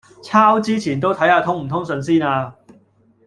抄之前都睇吓通唔通順先呀